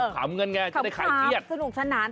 ขอบคลัมกันไงจะได้ขายเทียดขอบคลัมสนุกสนาน